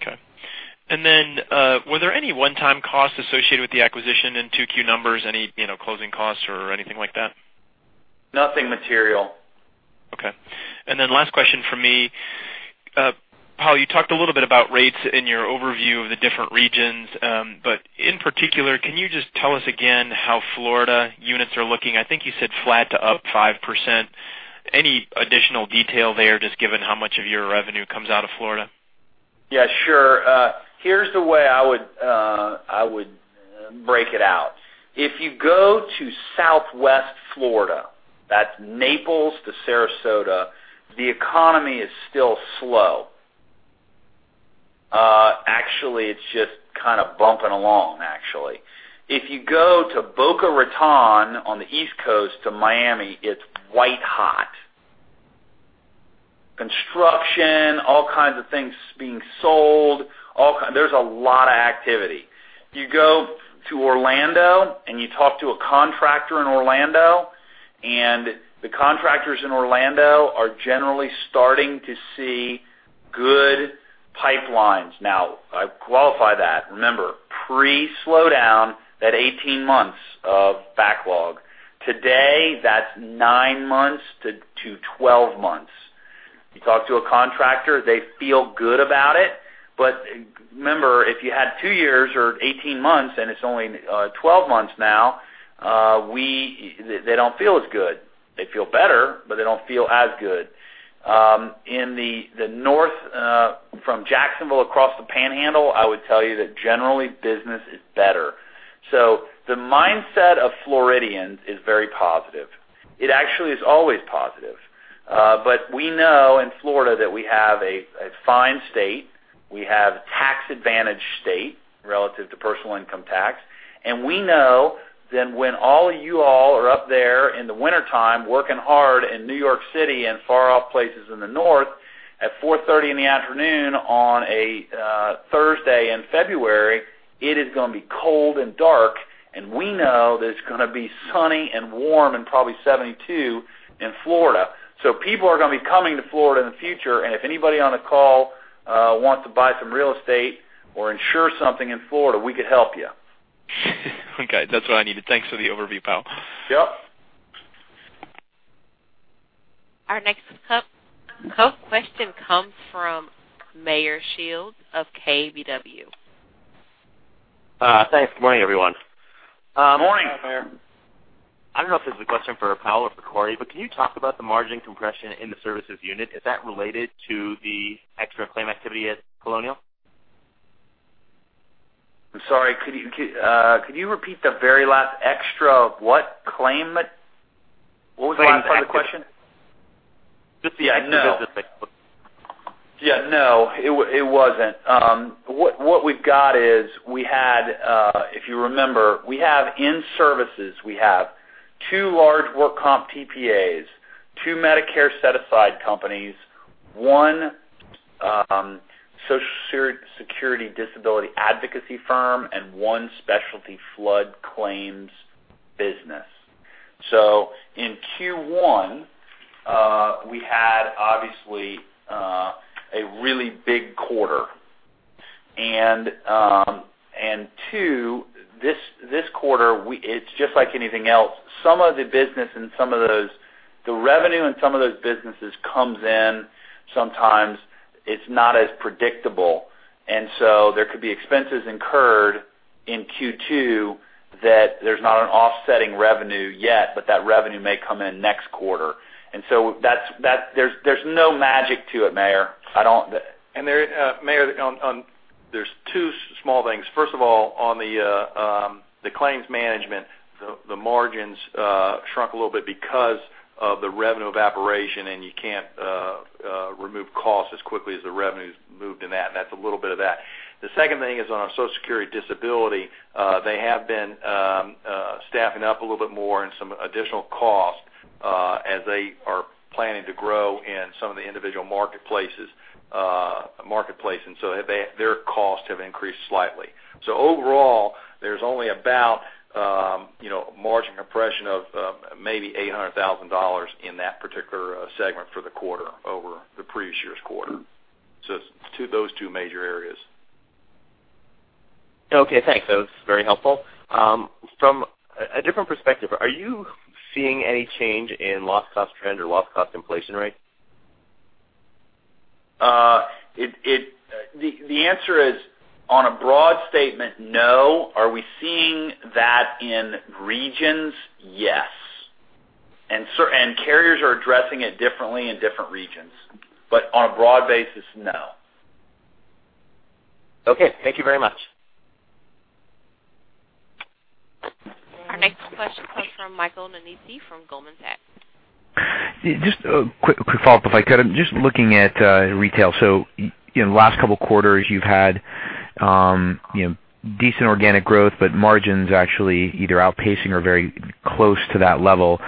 Okay. Were there any one-time costs associated with the acquisition in 2Q numbers? Any closing costs or anything like that? Nothing material. Okay. Last question from me. Powell, you talked a little bit about rates in your overview of the different regions, but in particular, can you just tell us again how Florida units are looking? I think you said flat to up 5%. Any additional detail there, just given how much of your revenue comes out of Florida? Yeah, sure. Here's the way I would break it out. If you go to Southwest Florida, that's Naples to Sarasota, the economy is still slow. Actually, it's just kind of bumping along, actually. If you go to Boca Raton on the East Coast to Miami, it's white hot. Construction, all kinds of things being sold. There's a lot of activity. If you go to Orlando, and you talk to a contractor in Orlando, and the contractors in Orlando are generally starting to see good pipelines. Now, I qualify that. Remember, pre-slowdown, that 18 months of backlog. Today, that's nine months to 12 months. You talk to a contractor, they feel good about it. Remember, if you had two years or 18 months, and it's only 12 months now, they don't feel as good. They feel better, but they don't feel as good. In the North, from Jacksonville across the Panhandle, I would tell you that generally business is better. The mindset of Floridians is very positive. It actually is always positive. We know in Florida that we have a fine state. We have a tax advantage state relative to personal income tax. We know that when all of you all are up there in the wintertime, working hard in New York City and far off places in the North, at 4:30 P.M. on a Thursday in February, it is going to be cold and dark, and we know that it's going to be sunny and warm and probably 72 in Florida. People are going to be coming to Florida in the future, and if anybody on the call wants to buy some real estate or insure something in Florida, we could help you. Okay. That's what I needed. Thanks for the overview, Powell. Yep. Our next question comes from Meyer Shields of KBW. Thanks. Good morning, everyone. Morning. Good morning. I don't know if this is a question for Powell or for Cory, but can you talk about the margin compression in the services unit? Is that related to the extra claim activity at Colonial? I'm sorry. Could you repeat the very last, extra what? Claim? What was the last part of the question? Just the- No. Yeah, no, it wasn't. What we've got is, if you remember, we have in services, we have two large work comp TPAs, two Medicare Set-Aside companies, one Social Security Disability advocacy firm, and one specialty flood claims business. In Q1, we had obviously, a really big quarter. Two, this quarter, it's just like anything else. Some of the business and some of those the revenue in some of those businesses comes in sometimes it's not as predictable. There could be expenses incurred in Q2 that there's not an offsetting revenue yet, but that revenue may come in next quarter. There's no magic to it, Meyer. I don't Meyer, there's two small things. First of all, on the claims management, the margins shrunk a little bit because of the revenue evaporation, you can't remove costs as quickly as the revenues moved in that. That's a little bit of that. The second thing is on our Social Security Disability, they have been staffing up a little bit more and some additional cost, as they are planning to grow in some of the individual marketplace. Their costs have increased slightly. Overall, there's only about margin compression of maybe $800,000 in that particular segment for the quarter over the previous year's quarter. It's those two major areas. Okay, thanks. That was very helpful. From a different perspective, are you seeing any change in loss cost trend or loss cost inflation rate? The answer is, on a broad statement, no. Are we seeing that in regions? Yes. Carriers are addressing it differently in different regions. On a broad basis, no. Okay. Thank you very much. Our next question comes from Michael Nannizzi from Goldman Sachs. Just a quick follow-up if I could. I'm just looking at retail. In the last couple of quarters, you've had decent organic growth, but margins actually either outpacing or very close to that level.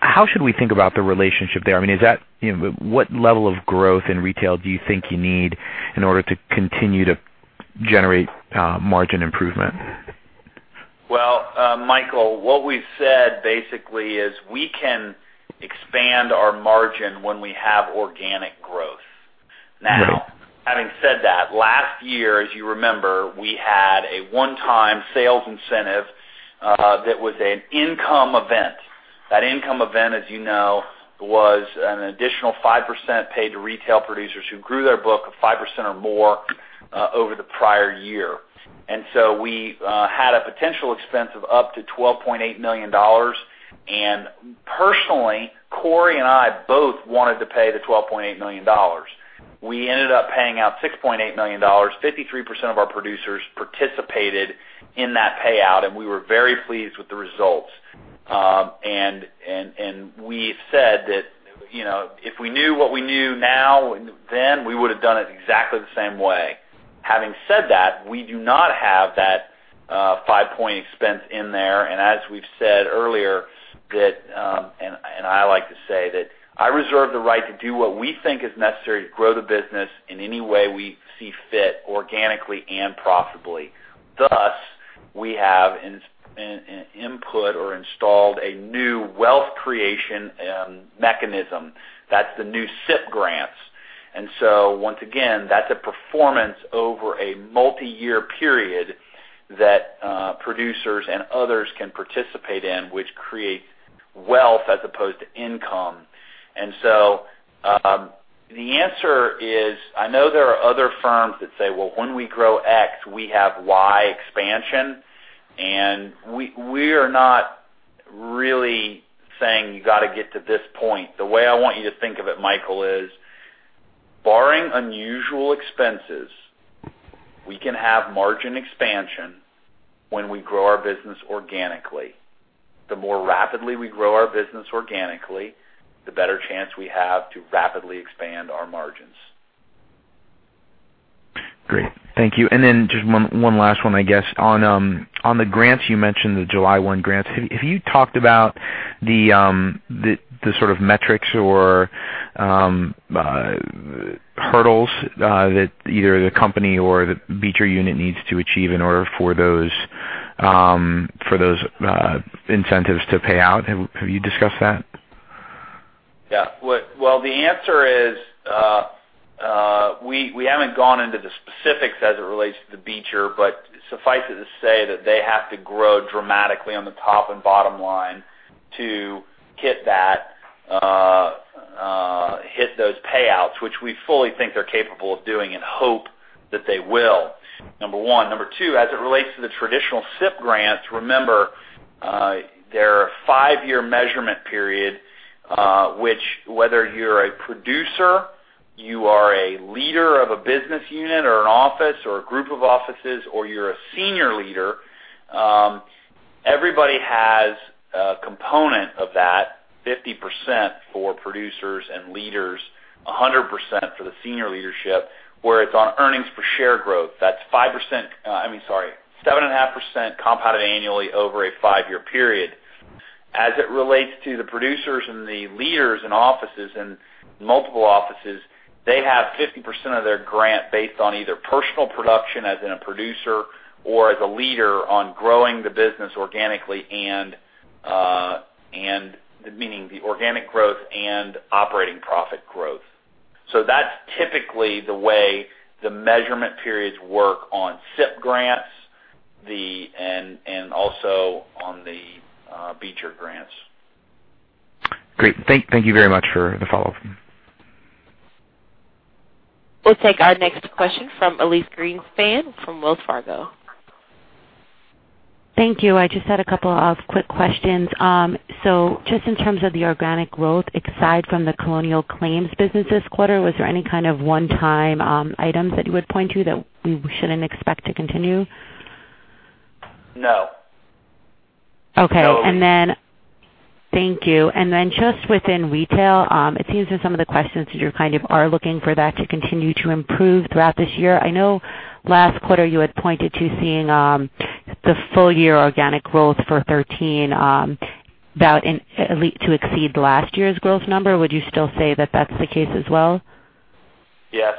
How should we think about the relationship there? I mean, what level of growth in retail do you think you need in order to continue to generate margin improvement? Well, Michael, what we've said basically is we can expand our margin when we have organic growth. Yeah. Having said that, last year, as you remember, we had a one-time sales incentive that was an income event. That income event, as you know, was an additional 5% paid to retail producers who grew their book of 5% or more over the prior year. We had a potential expense of up to $12.8 million. Personally, Cory and I both wanted to pay the $12.8 million. We ended up paying out $6.8 million. 53% of our producers participated in that payout, and we were very pleased with the results. We've said that if we knew what we knew now then, we would have done it exactly the same way. Having said that, we do not have that 5-point expense in there, as we've said earlier, I like to say that I reserve the right to do what we think is necessary to grow the business in any way we see fit organically and profitably. Thus, we have input or installed a new wealth creation mechanism. That's the new SIP grants. Once again, that's a performance over a multi-year period that producers and others can participate in, which creates wealth as opposed to income. The answer is, I know there are other firms that say, "Well, when we grow X, we have Y expansion." We are not really saying you got to get to this point. The way I want you to think of it, Michael, is barring unusual expenses, we can have margin expansion when we grow our business organically. The more rapidly we grow our business organically, the better chance we have to rapidly expand our margins. Great. Thank you. Just one last one, I guess. On the grants, you mentioned the July 1 grants. Have you talked about the sort of metrics or hurdles that either the company or the Beecher unit needs to achieve in order for those incentives to pay out? Have you discussed that? Yeah. Well, the answer is, we haven't gone into the specifics as it relates to Beecher, but suffice it to say that they have to grow dramatically on the top and bottom line to hit those payouts, which we fully think they're capable of doing and hope that they will, number one. Number two, as it relates to the traditional SIP grants, remember, they're a five-year measurement period, which whether you're a producer, you are a leader of a business unit or an office or a group of offices, or you're a senior leader, everybody has a component of that 50% for producers and leaders, 100% for the senior leadership, where it's on earnings per share growth. That's 7.5% compounded annually over a five-year period. As it relates to the producers and the leaders in offices and multiple offices, they have 50% of their grant based on either personal production as in a producer or as a leader on growing the business organically, meaning the organic growth and operating profit growth. That's typically the way the measurement periods work on SIP grants, and also on the Beecher grants. Great. Thank you very much for the follow-up. We'll take our next question from Elyse Greenspan from Wells Fargo. Thank you. I just had a couple of quick questions. Just in terms of the organic growth, aside from the Colonial Claims business this quarter, was there any kind of one-time items that you would point to that we shouldn't expect to continue? No. Okay. No. Thank you. Just within retail, it seems that some of the questions you kind of are looking for that to continue to improve throughout this year. I know last quarter you had pointed to seeing the full year organic growth for 2013 to exceed last year's growth number. Would you still say that that's the case as well? Yes.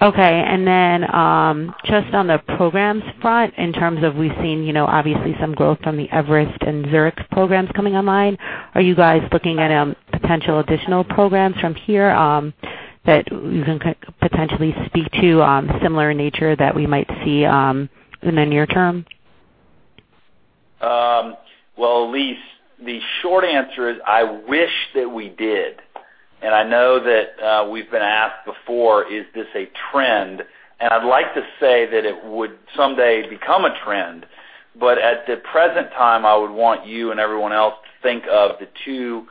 Okay. Just on the programs front, in terms of, we've seen obviously some growth from the Everest and Zurich programs coming online. Are you guys looking at potential additional programs from here that you can potentially speak to, similar in nature that we might see in the near term? Well, Elyse, the short answer is I wish that we did, I know that we've been asked before, is this a trend? I'd like to say that it would someday become a trend, at the present time, I would want you and everyone else to think of the two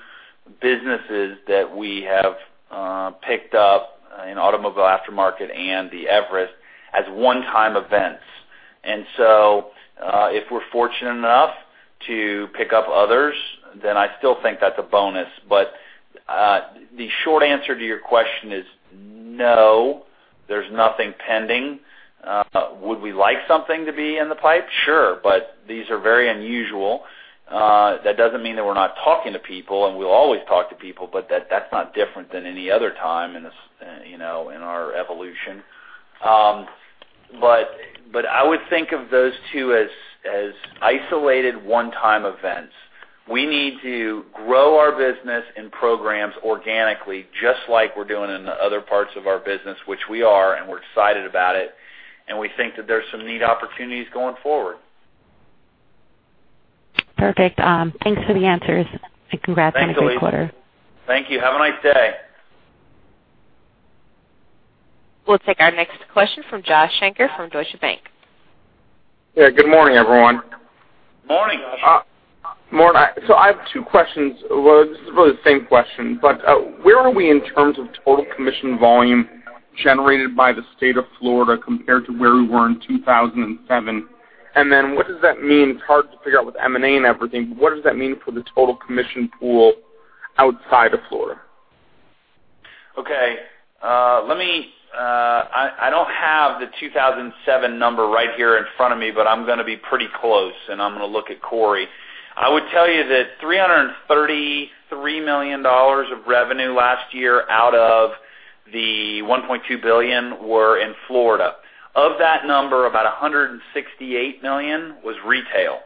businesses that we have picked up in Automotive Aftermarket and the Everest as one-time events. If we're fortunate enough to pick up others, I still think that's a bonus. The short answer to your question is no, there's nothing pending. Would we like something to be in the pipe? Sure. These are very unusual. That doesn't mean that we're not talking to people, we'll always talk to people, but that's not different than any other time in our evolution. I would think of those two as isolated one-time events. We need to grow our business and programs organically, just like we're doing in the other parts of our business, which we are, and we're excited about it. We think that there's some neat opportunities going forward. Perfect. Thanks for the answers, congrats on a good quarter. Thank you. Have a nice day. We'll take our next question from Joshua Shanker from Deutsche Bank. Yeah. Good morning, everyone. Morning, Josh. Morning. I have two questions. This is really the same question, where are we in terms of total commission volume generated by the state of Florida compared to where we were in 2007? What does that mean? It's hard to figure out with M&A and everything, what does that mean for the total commission pool outside of Florida? I don't have the 2007 number right here in front of me, I'm going to be pretty close, I'm going to look at Cory. I would tell you that $333 million of revenue last year out of the $1.2 billion were in Florida. Of that number, about $168 million was retail.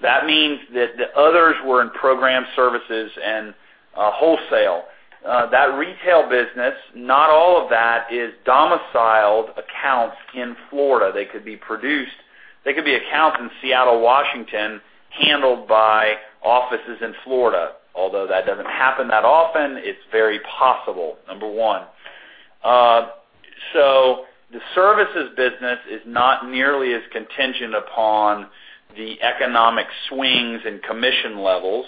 That means that the others were in program services and wholesale. That retail business, not all of that is domiciled accounts in Florida. They could be accounts in Seattle, Washington, handled by offices in Florida. Although that doesn't happen that often, it's very possible. Number one. The services business is not nearly as contingent upon the economic swings in commission levels.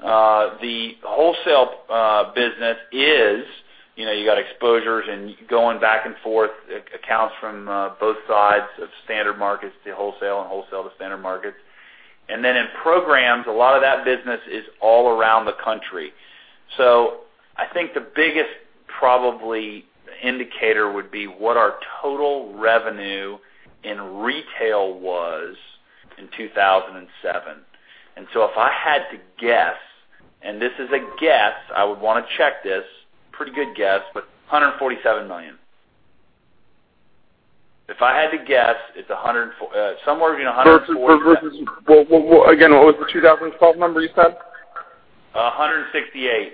The wholesale business is. You've got exposures and going back and forth accounts from both sides of standard markets to wholesale and wholesale to standard markets. In programs, a lot of that business is all around the country. I think the biggest probably indicator would be what our total revenue in retail was in 2007. If I had to guess, and this is a guess, I would want to check this. Pretty good guess, but $147 million. If I had to guess, it's somewhere between $147. Versus, well, again, what was the 2012 number you said? $168.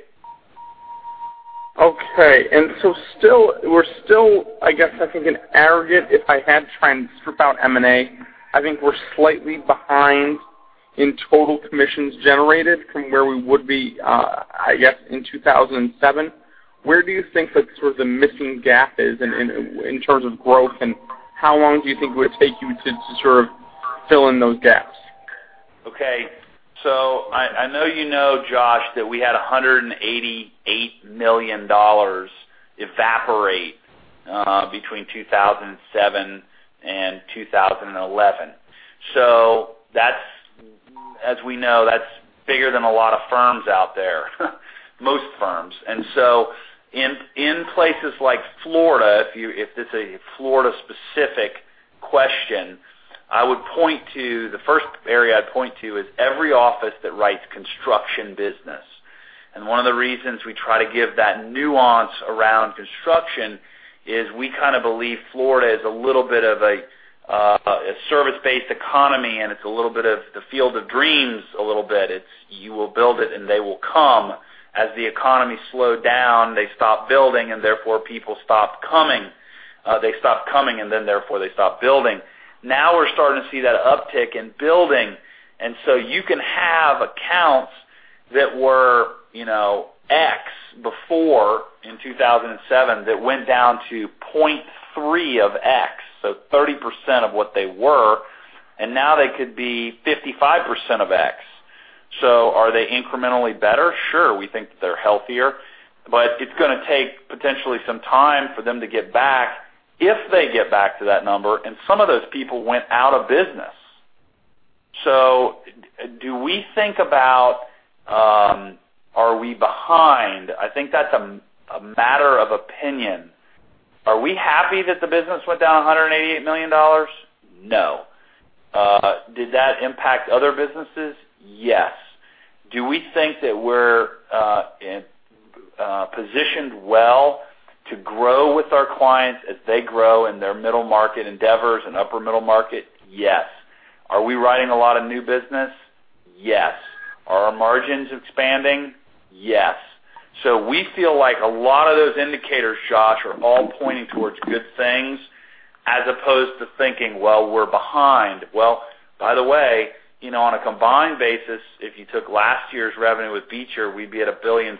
Okay. We're still, I guess, I think in aggregate, if I had to try and strip out M&A, I think we're slightly behind in total commissions generated from where we would be, I guess, in 2007. Where do you think that sort of the missing gap is in terms of growth, and how long do you think it would take you to sort of fill in those gaps? I know you know, Josh, that we had $188 million evaporate between 2007 and 2011. As we know, that's bigger than a lot of firms out there, most firms. In places like Florida, if it's a Florida-specific question, the first area I'd point to is every office that writes construction business. One of the reasons we try to give that nuance around construction is we kind of believe Florida is a little bit of a service-based economy, and it's a little bit of the field of dreams a little bit. It's you will build it, and they will come. As the economy slowed down, they stopped building, and therefore people stopped coming. They stopped coming, therefore they stopped building. Now we're starting to see that uptick in building. You can have accounts that were X before in 2007, that went down to 0.3 of X, 30% of what they were, and now they could be 55% of X. Are they incrementally better? Sure. We think that they're healthier. It's going to take potentially some time for them to get back, if they get back to that number, and some of those people went out of business. Do we think about, are we behind? I think that's a matter of opinion. Are we happy that the business went down $188 million? No. Did that impact other businesses? Yes. Do we think that we're positioned well to grow with our clients as they grow in their middle market endeavors and upper middle market? Yes. Are we writing a lot of new business? Yes. Are our margins expanding? Yes. We feel like a lot of those indicators, Josh, are all pointing towards good things as opposed to thinking, well, we're behind. Well, by the way, on a combined basis, if you took last year's revenue with Beecher, we'd be at $1.3 billion,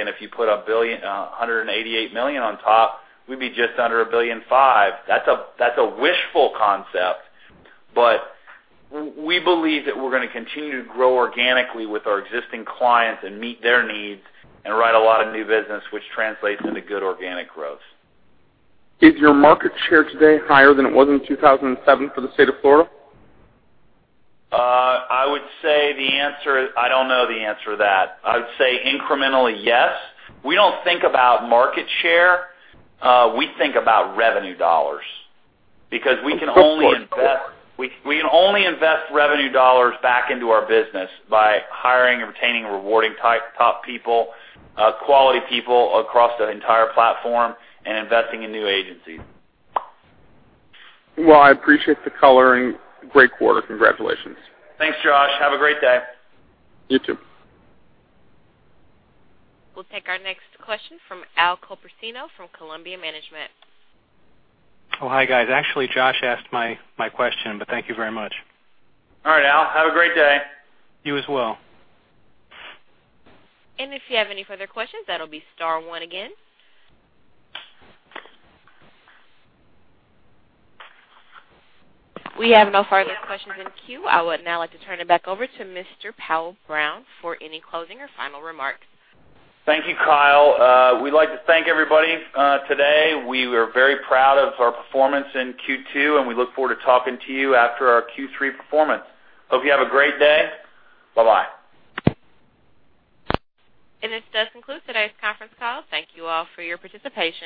and if you put $188 million on top, we'd be just under $1.5 billion. That's a wishful concept, we believe that we're going to continue to grow organically with our existing clients and meet their needs and write a lot of new business, which translates into good organic growth. Is your market share today higher than it was in 2007 for the state of Florida? I would say the answer, I don't know the answer to that. I would say incrementally, yes. We don't think about market share. We think about revenue dollars. Because we can only invest revenue dollars back into our business by hiring and retaining and rewarding top people, quality people across the entire platform, and investing in new agencies. Well, I appreciate the coloring. Great quarter. Congratulations. Thanks, Josh. Have a great day. You too. We'll take our next question from Al Copersino from Columbia Management. Oh, hi guys. Actually, Josh asked my question, but thank you very much. All right, Al. Have a great day. You as well. If you have any further questions, that'll be star one again. We have no further questions in queue. I would now like to turn it back over to Mr. Powell Brown for any closing or final remarks. Thank you, Kyle. We'd like to thank everybody today. We are very proud of our performance in Q2. We look forward to talking to you after our Q3 performance. Hope you have a great day. Bye-bye. This does conclude today's conference call. Thank you all for your participation.